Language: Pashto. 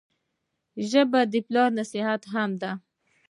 ژبه د پلار نصیحت هم دی